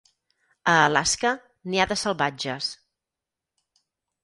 A Alaska, n'hi ha de salvatges.